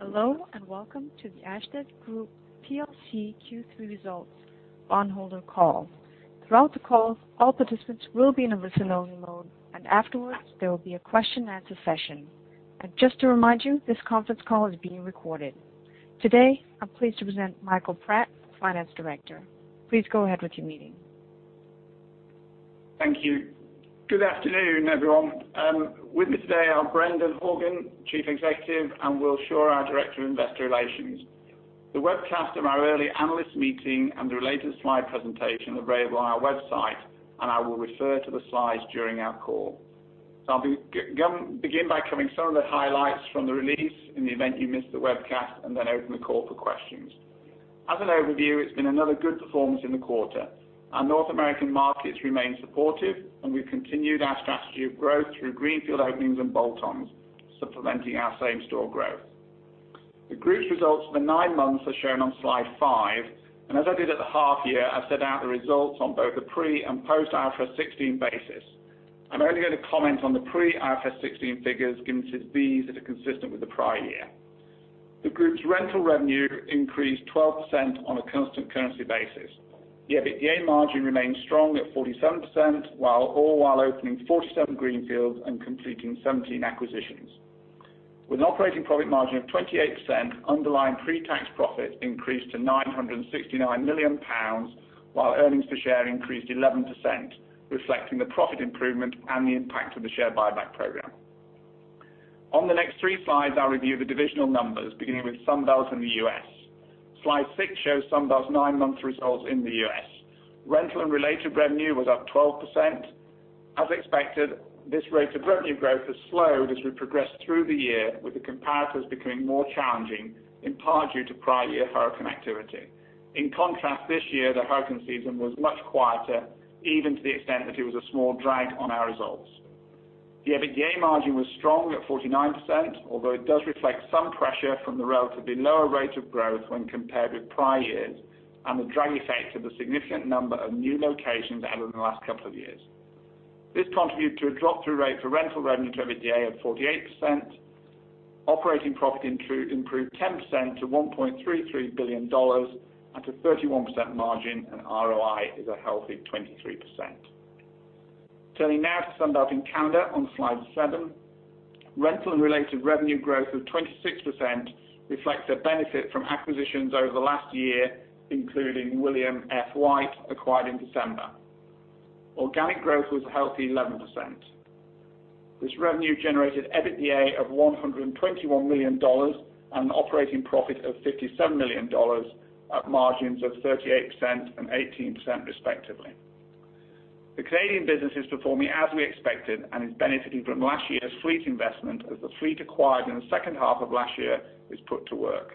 Hello and welcome to the Ashtead Group Q3 results, bondholder call. Throughout the call, all participants will be in a listen-only mode, and afterwards, there will be a question-and-answer session. Just to remind you, this conference call is being recorded. Today, I'm pleased to present Michael Pratt, Finance Director. Please go ahead with your meeting. Thank you. Good afternoon, everyone. With me today are Brendan Horgan, Chief Executive Officer, and Will Shaw, our Director of Investor Relations. The webcast of our early analyst meeting and the related slide presentation are available on our website, and I will refer to the slides during our call. I will begin by covering some of the highlights from the release in the event you missed the webcast, and then open the call for questions. As an overview, it's been another good performance in the quarter. Our North American markets remain supportive, and we've continued our strategy of growth through greenfield openings and bolt-ons, supplementing our same-store growth. The group's results for the nine months are shown on slide five, and as I did at the half-year, I've set out the results on both a pre- and post-IFRS 16 basis. I'm only going to comment on the pre-IFRS 16 figures given it is consistent with the prior year. The group's rental revenue increased 12% on a constant currency basis. The EBITDA margin remained strong at 47%, all while opening 47 greenfields and completing 17 acquisitions. With an operating profit margin of 28%, underlying pre-tax profit increased to 969 million pounds, while earnings per share increased 11%, reflecting the profit improvement and the impact of the share buyback program. On the next three slides, I'll review the divisional numbers, beginning with Sunbelt in the US. Slide six shows Sunbelt's nine-month results in the US. Rental and related revenue was up 12%. As expected, this rate of revenue growth has slowed as we progressed through the year, with the comparisons becoming more challenging, in part due to prior-year hurricane activity. In contrast, this year, the hurricane season was much quieter, even to the extent that it was a small drag on our results. The EBITDA margin was strong at 49%, although it does reflect some pressure from the relatively lower rate of growth when compared with prior years, and the drag effect of the significant number of new locations added in the last couple of years. This contributes to a drop-through rate for rental revenue to EBITDA of 48%. Operating profit improved 10% to $1.33 billion, at a 31% margin, and ROI is a healthy 23%. Turning now to Sunbelt in Canada, on slide seven, rental and related revenue growth of 26% reflects a benefit from acquisitions over the last year, including William F. White, acquired in December. Organic growth was a healthy 11%. This revenue generated EBITDA of $121 million and an operating profit of $57 million, at margins of 38% and 18%, respectively. The Canadian business is performing as we expected and is benefiting from last year's fleet investment, as the fleet acquired in the second half of last year is put to work.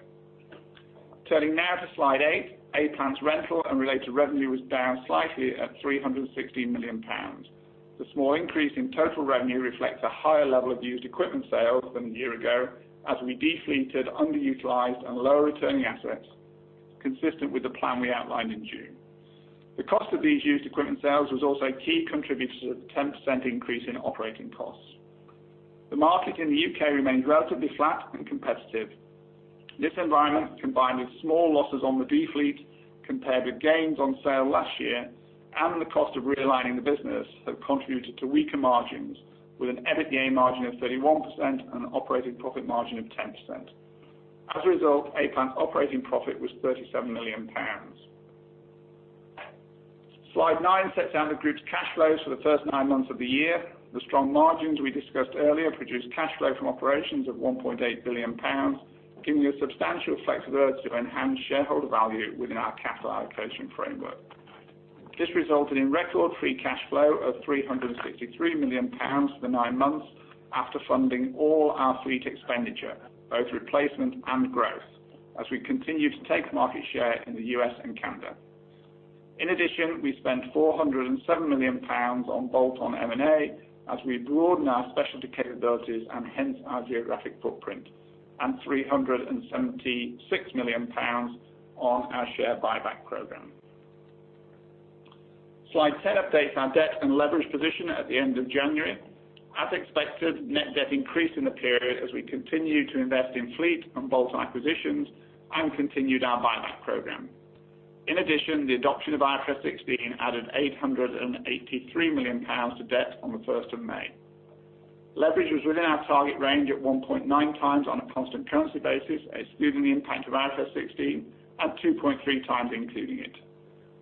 Turning now to slide eight, A-Plant's rental and related revenue was down slightly at 316 million pounds. The small increase in total revenue reflects a higher level of used equipment sales than a year ago, as we defleeted underutilized and low-returning assets, consistent with the plan we outlined in June. The cost of these used equipment sales was also a key contributor to the 10% increase in operating costs. The market in the U.K. remained relatively flat and competitive. This environment, combined with small losses on the defleet, compared with gains on sale last year and the cost of realigning the business, have contributed to weaker margins, with an EBITDA margin of 31% and an operating profit margin of 10%. As a result, A-Plant's operating profit was 37 million pounds. Slide nine sets out the group's cash flows for the first nine months of the year. The strong margins we discussed earlier produced cash flow from operations of 1.8 billion pounds, giving us substantial flexibility to enhance shareholder value within our capital allocation framework. This resulted in record free cash flow of 363 million pounds for the nine months, after funding all our fleet expenditure, both replacement and growth, as we continue to take market share in the US and Canada. In addition, we spent 407 million pounds on bolt-on M&A as we broaden our specialty capabilities and hence our geographic footprint, and 376 million pounds on our share buyback program. Slide ten updates our debt and leverage position at the end of January. As expected, net debt increased in the period as we continued to invest in fleet and bolt-on acquisitions and continued our buyback program. In addition, the adoption of IFRS 16 added 883 million pounds to debt on the 1st of May. Leverage was within our target range at 1.9 times on a constant currency basis, excluding the impact of IFRS 16, and 2.3 times including it.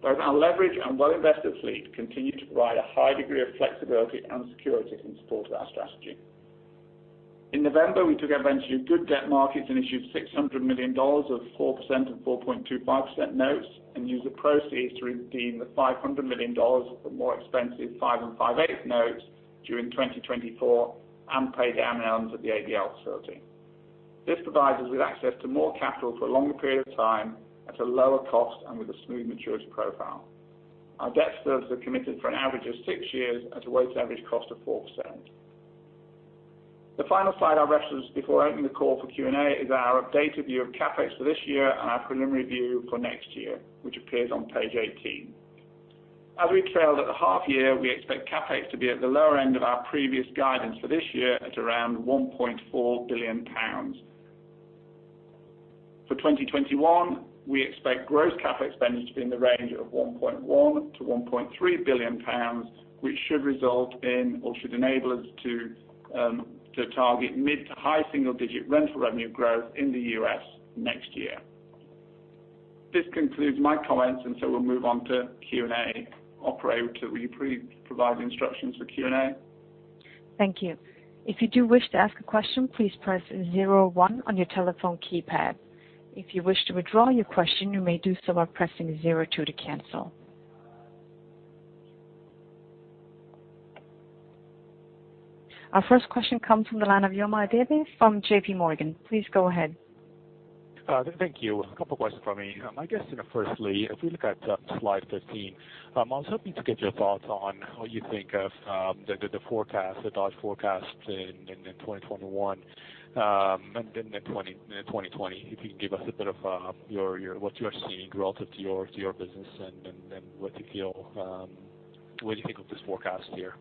Both our leveraged and well-invested fleet continue to provide a high degree of flexibility and security in support of our strategy. In November, we took advantage of good debt markets and issued $600 million of 4% and 4.25% notes, and used the proceeds to redeem the $500 million for more expensive 5 and 5/8 notes during 2024 and pay down the elements of the ABL facility. This provides us with access to more capital for a longer period of time at a lower cost and with a smooth maturity profile. Our debt service is committed for an average of six years at a weighted average cost of 4%. The final slide I'll reference before opening the call for Q&A is our updated view of CapEx for this year and our preliminary view for next year, which appears on page 18. As we trailed at the half-year, we expect CapEx to be at the lower end of our previous guidance for this year at around 1.4 billion pounds. For 2021, we expect gross CapEx spending to be in the range of 1.1 billion-1.3 billion pounds, which should result in or should enable us to target mid to high single-digit rental revenue growth in the US next year. This concludes my comments, and so we'll move on to Q&A. Operator, will you please provide instructions for Q&A? Thank you. If you do wish to ask a question, please press zero one on your telephone keypad. If you wish to withdraw your question, you may do so by pressing zero two to cancel. Our first question comes from the line of Amanuel Abebe from JPMorgan Chase. Please go ahead. Thank you. A couple of questions for me. My guess, firstly, if we look at slide 15, I was hoping to get your thoughts on what you think of the forecast, the Dodge forecast in 2021 and in 2020. If you can give us a bit of what you are seeing relative to your business and what you feel, what do you think of this forecast here?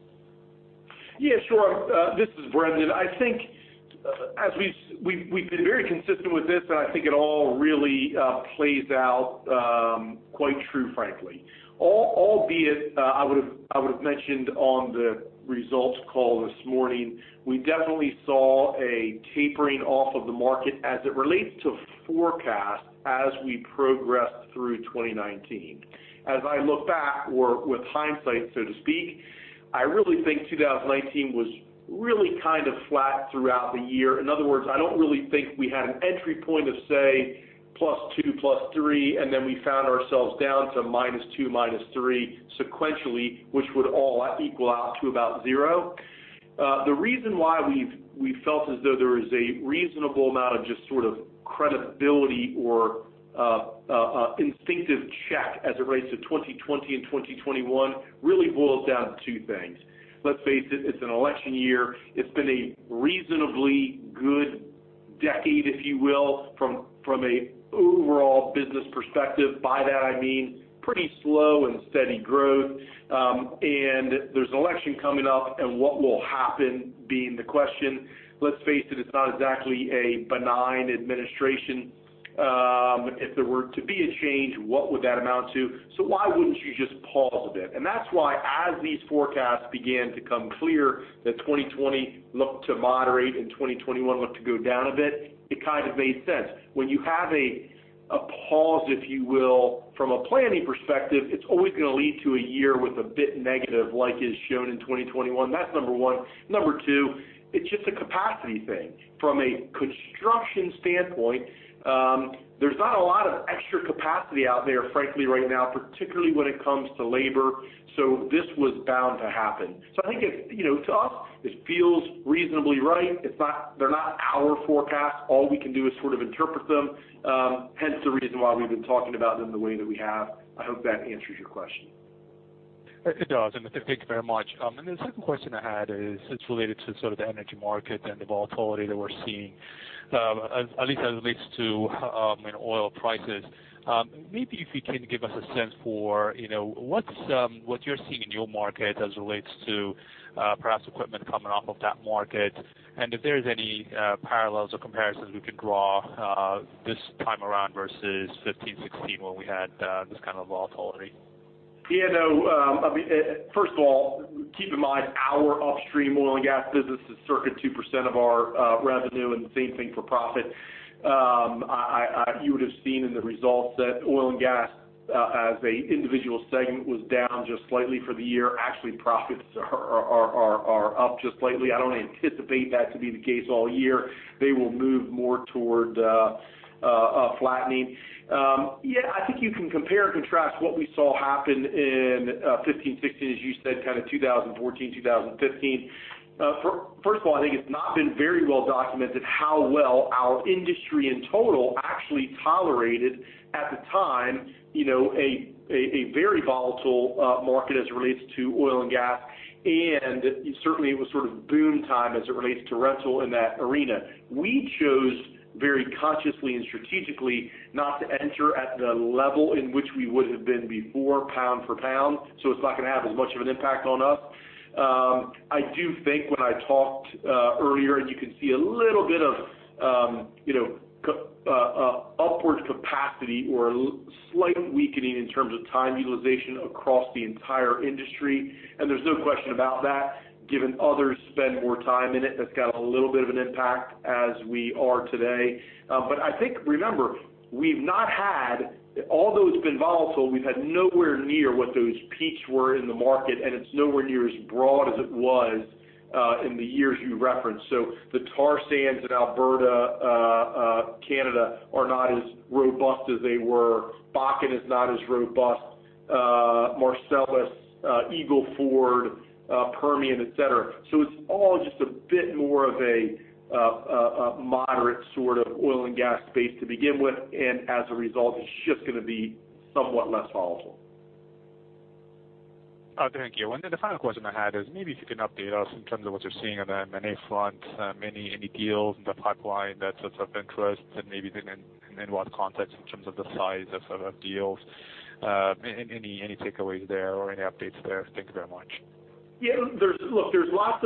Yeah, sure. This is Brendan. I think as we've been very consistent with this, and I think it all really plays out quite true, frankly. Albeit, I would have mentioned on the results call this morning, we definitely saw a tapering off of the market as it relates to forecast as we progressed through 2019. As I look back with hindsight, so to speak, I really think 2019 was really kind of flat throughout the year. In other words, I don't really think we had an entry point of, say, plus 2, plus 3, and then we found ourselves down to minus 2, minus 3 sequentially, which would all equal out to about zero. The reason why we felt as though there was a reasonable amount of just sort of credibility or instinctive check as it relates to 2020 and 2021 really boils down to two things. Let's face it, it's an election year. It's been a reasonably good decade, if you will, from an overall business perspective. By that, I mean pretty slow and steady growth. There's an election coming up, and what will happen being the question. Let's face it, it's not exactly a benign administration. If there were to be a change, what would that amount to? Why wouldn't you just pause a bit? That's why, as these forecasts began to come clear, that 2020 looked to moderate and 2021 looked to go down a bit, it kind of made sense. When you have a pause, if you will, from a planning perspective, it's always going to lead to a year with a bit negative, like is shown in 2021. That's number one. Number two, it's just a capacity thing. From a construction standpoint, there's not a lot of extra capacity out there, frankly, right now, particularly when it comes to labor. This was bound to happen. I think to us, it feels reasonably right. They're not our forecasts. All we can do is sort of interpret them, hence the reason why we've been talking about them the way that we have. I hope that answers your question. It does. Thank you very much. The second question I had is related to sort of the energy market and the volatility that we're seeing, at least as it relates to oil prices. Maybe if you can give us a sense for what you're seeing in your market as it relates to perhaps equipment coming off of that market, and if there's any parallels or comparisons we can draw this time around versus 2015, 2016 when we had this kind of volatility. Yeah. No, I mean, first of all, keep in mind our upstream oil and gas business has circled 2% of our revenue, and the same thing for profit. You would have seen in the results that oil and gas, as an individual segment, was down just slightly for the year. Actually, profits are up just slightly. I don't anticipate that to be the case all year. They will move more toward a flattening. Yeah, I think you can compare and contrast what we saw happen in 2015, 2016, as you said, kind of 2014, 2015. First of all, I think it's not been very well documented how well our industry in total actually tolerated, at the time, a very volatile market as it relates to oil and gas. Certainly, it was sort of boom time as it relates to rental in that arena. We chose very consciously and strategically not to enter at the level in which we would have been before, pound for pound, so it's not going to have as much of an impact on us. I do think when I talked earlier, and you can see a little bit of upward capacity or slight weakening in terms of time utilization across the entire industry, and there's no question about that, given others spend more time in it. That's got a little bit of an impact as we are today. I think, remember, we've not had, although it's been volatile, we've had nowhere near what those peaks were in the market, and it's nowhere near as broad as it was in the years you referenced. The Tar Sands in Alberta, Canada are not as robust as they were. Bakken is not as robust. Marcellus, Eagle Ford, Permian, etc. It's all just a bit more of a moderate sort of oil and gas space to begin with, and as a result, it's just going to be somewhat less volatile. Thank you. The final question I had is maybe if you can update us in terms of what you're seeing on the M&A front, any deals in the pipeline that's of interest, and maybe in what context in terms of the size of deals, any takeaways there or any updates there. Thank you very much. Yeah. Look, there's lots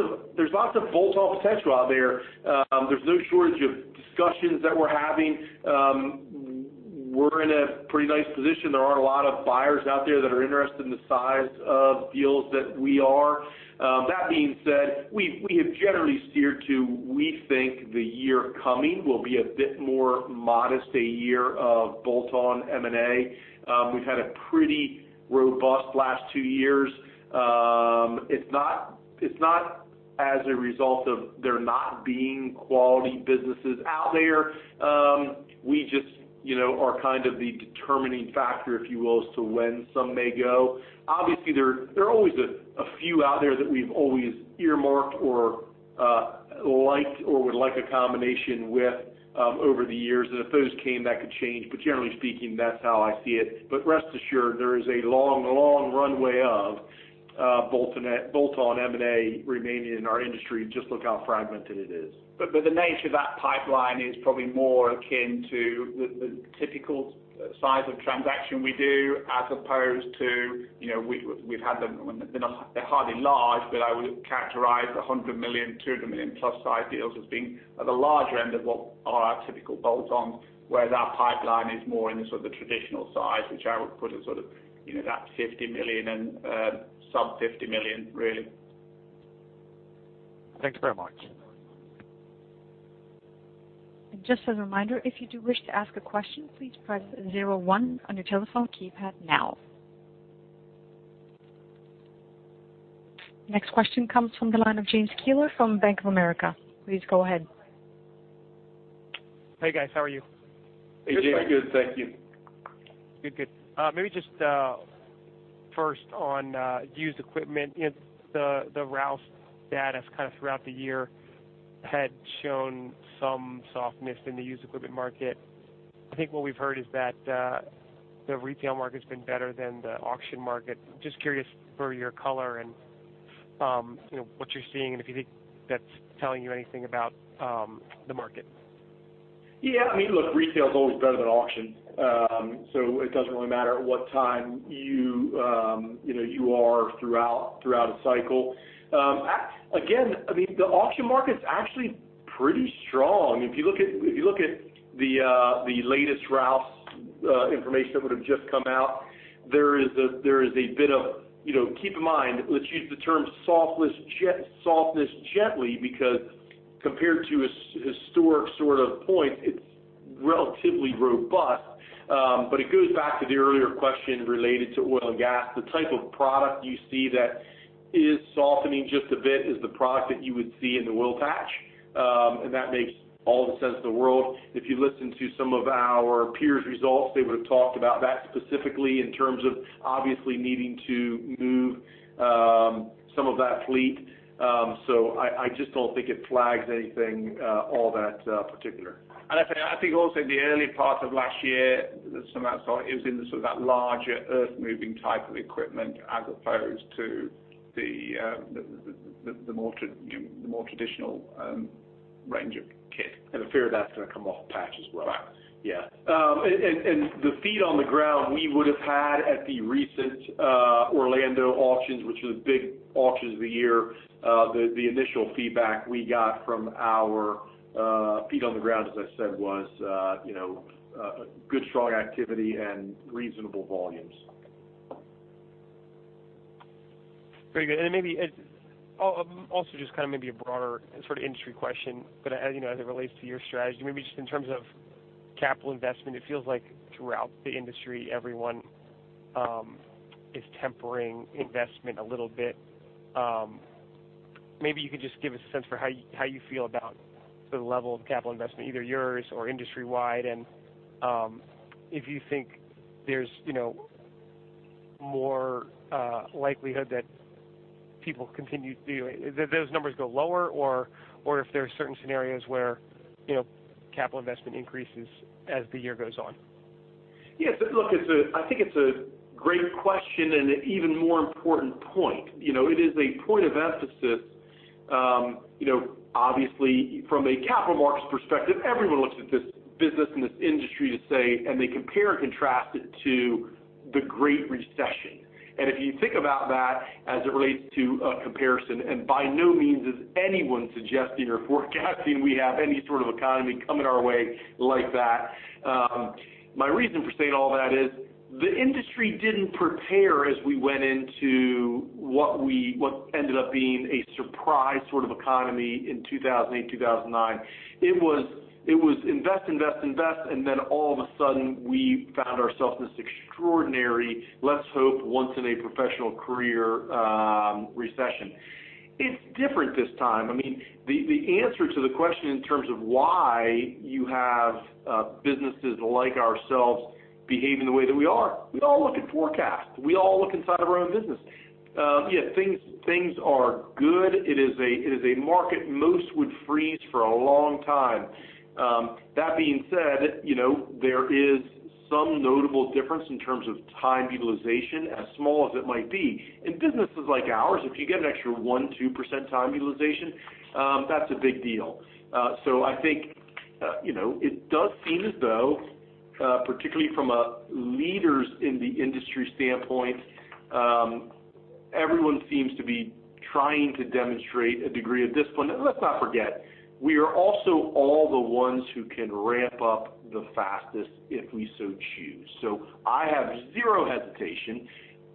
of bolt-on potential out there. There's no shortage of discussions that we're having. We're in a pretty nice position. There aren't a lot of buyers out there that are interested in the size of deals that we are. That being said, we have generally steered to, we think, the year coming will be a bit more modest, a year of bolt-on M&A. We've had a pretty robust last two years. It's not as a result of there not being quality businesses out there. We just are kind of the determining factor, if you will, as to when some may go. Obviously, there are always a few out there that we've always earmarked or liked or would like a combination with over the years. If those came, that could change. Generally speaking, that's how I see it. Rest assured, there is a long, long runway of bolt-on M&A remaining in our industry. Just look how fragmented it is. The nature of that pipeline is probably more akin to the typical size of transaction we do, as opposed to we've had them hardly large, but I would characterize $100 million-$200 million plus size deals as being at the larger end of what are our typical bolt-ons, whereas our pipeline is more in the sort of the traditional size, which I would put as sort of that $50 million and sub $50 million, really. Thank you very much. Just as a reminder, if you do wish to ask a question, please press zero one on your telephone keypad now. Next question comes from the line of James Keeler from Bank of America. Please go ahead. Hey, guys. How are you? Hey, James. Good. Thank you. Good. Maybe just first on used equipment. The Ritchie Bros. data kind of throughout the year had shown some softness in the used equipment market. I think what we've heard is that the retail market's been better than the auction market. Just curious for your color and what you're seeing, and if you think that's telling you anything about the market. Yeah. I mean, look, retail's always better than auction, so it doesn't really matter at what time you are throughout a cycle. Again, I mean, the auction market's actually pretty strong. I mean, if you look at the latest Ritchie Bros. information that would have just come out, there is a bit of, keep in mind, let's use the term softness gently, because compared to historic sort of points, it's relatively robust. It goes back to the earlier question related to oil and gas. The type of product you see that is softening just a bit is the product that you would see in the oil patch, and that makes all the sense in the world. If you listen to some of our peers' results, they would have talked about that specifically in terms of obviously needing to move some of that fleet. I just don't think it flags anything all that particular. I think also in the earlier part of last year, some outside it was in sort of that larger earth-moving type of equipment as opposed to the more traditional range of kit. The fear of that's going to come off patch as well. Correct. Yeah. The feet on the ground we would have had at the recent Orlando auctions, which was a big auction of the year, the initial feedback we got from our feet on the ground, as I said, was good, strong activity, and reasonable volumes. Very good. Maybe also just kind of maybe a broader sort of industry question, but as it relates to your strategy, maybe just in terms of capital investment, it feels like throughout the industry, everyone is tempering investment a little bit. Maybe you could just give us a sense for how you feel about the level of capital investment, either yours or industry-wide, and if you think there's more likelihood that people continue to do those numbers go lower, or if there are certain scenarios where capital investment increases as the year goes on. Yeah. Look, I think it's a great question and an even more important point. It is a point of emphasis. Obviously, from a capital markets perspective, everyone looks at this business and this industry to say, and they compare and contrast it to the Great Recession. If you think about that as it relates to a comparison, and by no means is anyone suggesting or forecasting we have any sort of economy coming our way like that. My reason for saying all that is the industry didn't prepare as we went into what ended up being a surprise sort of economy in 2008, 2009. It was invest, invest, invest, and then all of a sudden, we found ourselves in this extraordinary, let's hope once-in-a-professional career recession. It's different this time. I mean, the answer to the question in terms of why you have businesses like ourselves behaving the way that we are, we all look at forecasts. We all look inside of our own business. Yeah, things are good. It is a market most would freeze for a long time. That being said, there is some notable difference in terms of time utilization, as small as it might be. In businesses like ours, if you get an extra 1-2% time utilization, that's a big deal. I think it does seem as though, particularly from a leaders in the industry standpoint, everyone seems to be trying to demonstrate a degree of discipline. Let's not forget, we are also all the ones who can ramp up the fastest if we so choose. I have zero hesitation.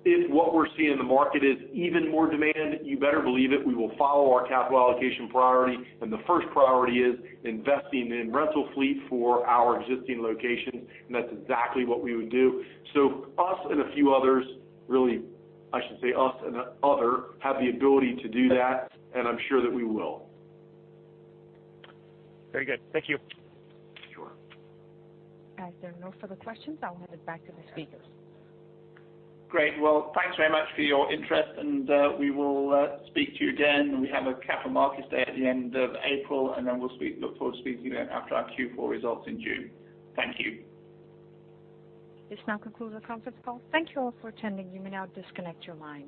If what we're seeing in the market is even more demand, you better believe it. We will follow our capital allocation priority, and the first priority is investing in rental fleet for our existing locations, and that's exactly what we would do. Us and a few others, really, I should say us and other, have the ability to do that, and I'm sure that we will. Very good. Thank you. Sure. All right. There are no further questions. I'll hand it back to the speakers. Great. Thank you very much for your interest, and we will speak to you again. We have a capital markets day at the end of April, and we look forward to speaking to you after our Q4 results in June. Thank you. This now concludes our conference call. Thank you all for attending. You may now disconnect your line.